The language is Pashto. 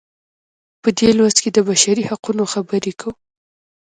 په دې لوست کې د بشري حقونو خبرې کوو.